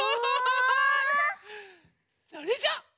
それじゃあ。